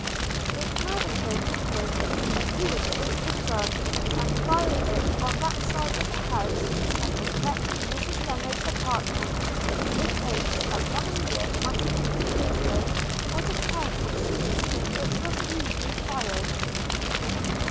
It now occurred to him, that he would take his gun, and fire it on that side of the house that was next to Mrs Lennard's apartment, in hopes that Monimia might come to the window for the chance of seeing if it was he who fired.